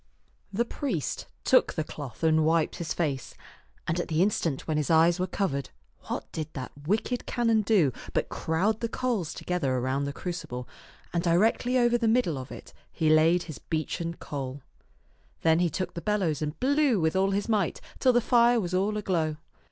The priest took the cloth and wiped his face, and at the instant when his eyes were covered, what did that wicked canon do but crowd the coals together around the crucible, and directly over the middle of it he laid his beechen coal. Then he took the bellows and blew with all his might till the fire was all aglow.